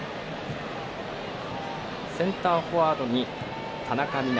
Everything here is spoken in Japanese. センターフォワードに田中美南。